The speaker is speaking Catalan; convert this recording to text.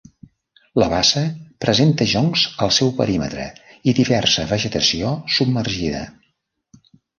La bassa presenta joncs al seu perímetre i diversa vegetació submergida.